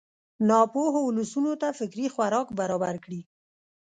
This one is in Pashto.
ناپوهو ولسونو ته فکري خوراک برابر کړي.